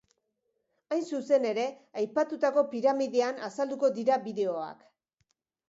Hain zuzen ere, aipatutako piramidean azalduko dira bideoak.